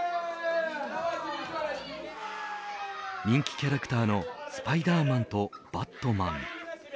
人気キャラクターのスパイダーマンとバッドマン。